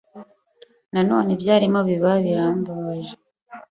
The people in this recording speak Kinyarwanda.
Nabonye ibyarimo biba birambabaje.